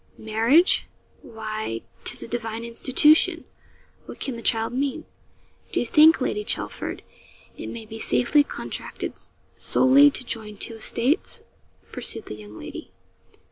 'Marriage? why 'tis a divine institution. What can the child mean?' 'Do you think, Lady Chelford, it may be safely contracted, solely to join two estates?' pursued the young lady.